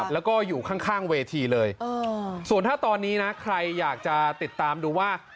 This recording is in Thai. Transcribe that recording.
แล้วก็อยู่ข้างเวทีเลยส่วนถ้าตอนนี้นะใครอยากจะติดตามดูว่า